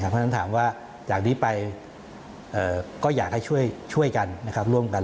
เพราะฉะนั้นถามว่าจากนี้ไปก็อยากให้ช่วยกันร่วมกัน